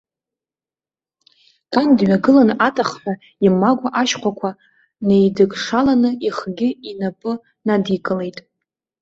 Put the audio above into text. Кан дҩагылан атахҳәа имагә ашьхәақәа неидыкшаланы, ихгьы инапы надикылеит.